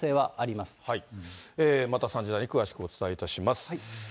また３時台に詳しくお伝えいたします。